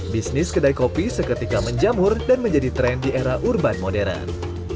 bisnis kedai kopi seketika menjamur dan menjadi tren di era urban modern